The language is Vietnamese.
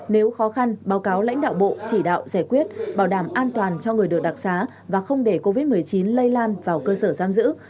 nếu khó khăn báo cáo lãnh đạo bộ chỉ đạo giải quyết bảo đảm an toàn cho người được đặc xá và không để covid một mươi chín lây lan vào cơ sở giam giữ